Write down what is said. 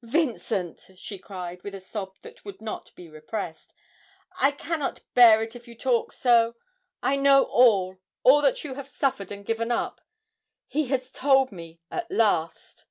'Vincent,' she cried, with a sob that would not be repressed, 'I cannot bear it if you talk so.... I know all, all that you have suffered and given up ... he has told me at last!'